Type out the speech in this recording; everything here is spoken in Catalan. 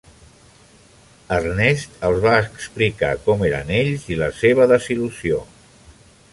Ernest els va explicar com eren ells i la seva desil·lusió.